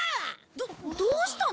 どどうしたの？